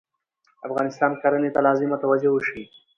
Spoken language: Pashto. افغانستان کرهنې ته لازمه توجه وشي